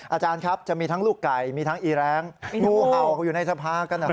อาจารย์ครับจะมีทั้งลูกไก่มีทั้งอีแรงงูเห่าอยู่ในสภากันเหรอ